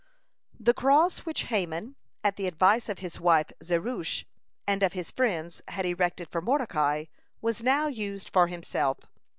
(183) The cross which Haman, at the advice of his wife Zeresh and of his friends, had erected for Mordecai, was now used for himself.